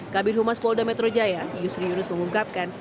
kabir humas polda metro jaya yusri yunus mengungkapkan